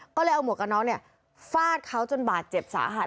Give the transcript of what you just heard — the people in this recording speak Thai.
ก็เลยเอาหมวกกับน้องฟาดเขาจนบาดเจ็บสาหัส